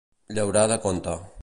Llaurar de conte.